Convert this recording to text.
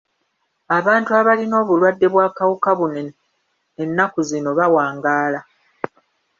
Abantu abalina obuwadde bw'akawuka buno ennaku zino bawangaala.